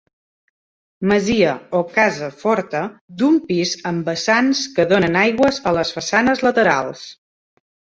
Masia, o casa forta, d'un pis amb vessants que donen aigües a les façanes laterals.